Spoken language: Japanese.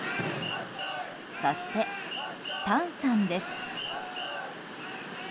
そして、タンさんです。